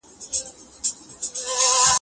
څوک مرسته کولای سي؟